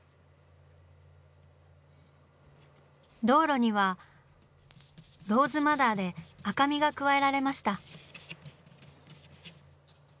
道路には「ローズマダー」で赤みが加えられました。